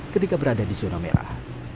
ketika berada di zona merah